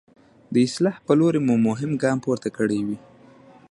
د اصلاح په لوري مو مهم ګام پورته کړی وي.